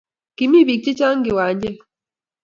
Kimi bik chechang kiwanjet.